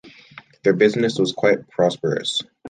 Their business was quite prosperous.